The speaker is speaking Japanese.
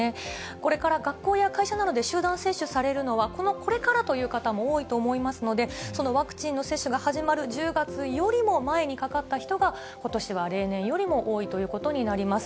これから学校や会社などで集団接種されるのは、これからという方も多いと思いますので、そのワクチンの接種が始まる１０月よりも前にかかった人が、ことしは例年よりも多いということになります。